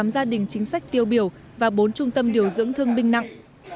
hai mươi tám gia đình chính sách tiêu biểu và bốn trung tâm điều dưỡng thương binh nặng